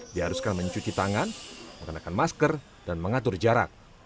diharuskan mencuci tangan menggunakan masker dan mengatur jarak